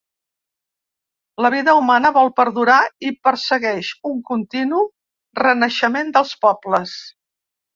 La vida humana vol perdurar i persegueix un continu renaixement dels pobles.